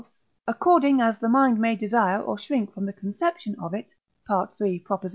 according as the mind may desire or shrink from the conception of it (III. xiii.